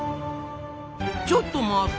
ちょっと待った！